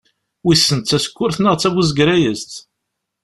Wissen d tasekkurt neɣ d tabuzegrayezt?